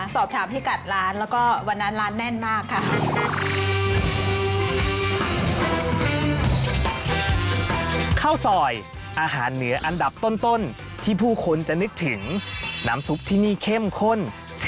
สอบถามที่กัดร้าน